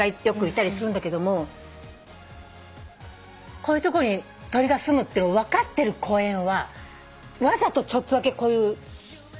こういうとこに鳥がすむっていうの分かってる公園はわざとちょっとだけこういう。